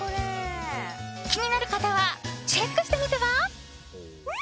気になる方はチェックしてみては？